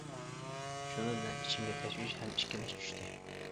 شۇنىڭ بىلەن ئىچىمگە تەشۋىش ھەم ئىككىلىنىش چۈشتى.